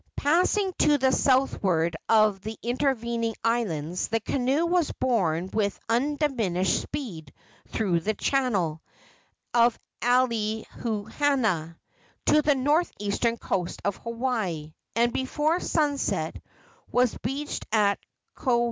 Passing to the southward of the intervening islands, the canoe was borne with undiminished speed through the channel of Alenuihaha to the northeastern coast of Hawaii, and before sunset was beached at Koholalele.